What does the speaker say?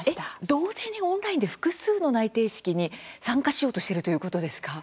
同時にオンラインで複数の内定式に参加しようとしているということですか？